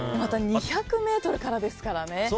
２００ｍからですからね。